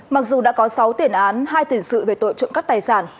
mặc dù đã có sáu tiền án hai tiền sự về tội trộm cắp tài sản